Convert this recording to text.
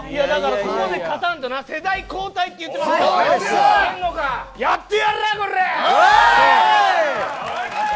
ここで勝たないと世代交代と言ってますからやってやるよ、こら。